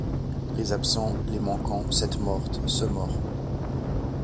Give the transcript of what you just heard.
Les absents, les manquants, cette morte, ce mort